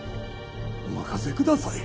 お任せください。